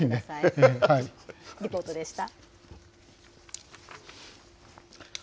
リポートでした。